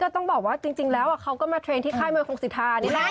ต้องบอกว่าจริงแล้วเขาก็มาเทรนด์ที่ค่ายมวยคงสิทธานี่แหละ